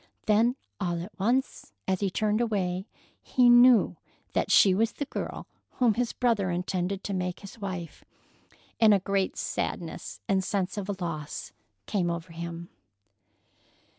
Then all at once, as he turned away, he knew that she was the girl whom his brother intended to make his wife, and a great sadness and sense of a loss came over him.